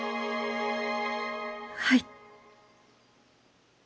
はい。